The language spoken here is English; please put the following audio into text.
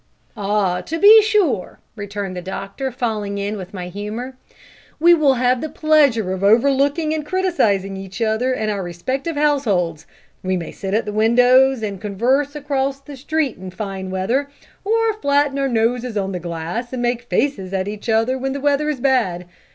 "Ah! to be sure," returned the doctor, falling in with my humour, "we will have the pleasure of overlooking and criticising each other and our respective households. We may sit at the windows and converse across the street in fine weather, or flatten our noses on the glass, and make faces at each other when the weather is bad.